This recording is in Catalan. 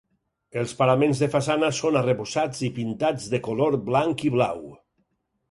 Els paraments de façana són arrebossats i pintats de color blanc i blau.